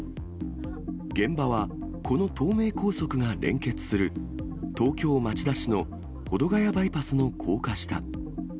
現場は、この東名高速が連結する、東京・町田市の保土ヶ谷バイパスの高架下。